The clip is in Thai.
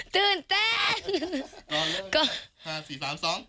ตื่นเต้น